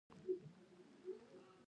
دا کار عملاً د تحقق توان لري.